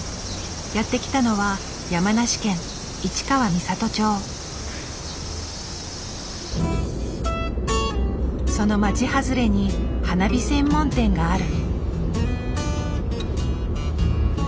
やって来たのはその町外れに花火専門店がある。